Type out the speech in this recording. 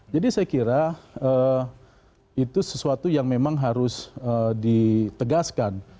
jadi saya kira itu sesuatu yang memang harus ditegaskan